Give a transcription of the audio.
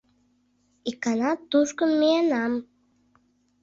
Икана тушко миенам.